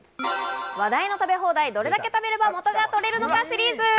話題の食べ放題、どれだけ食べれば元が取れるのかシリーズ。